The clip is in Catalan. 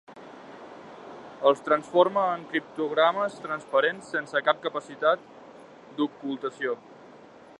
Els transforma en criptogrames transparents sense cap capacitat d'ocultació.